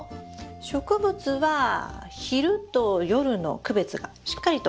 植物は昼と夜の区別がしっかりと必要になります。